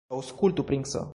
Aŭskultu, princo!